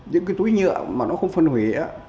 những cái túi nhựa mà nó không phân hủy